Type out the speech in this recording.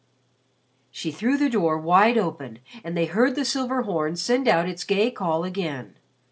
She threw the door wide open and they heard the silver horn send out its gay call again.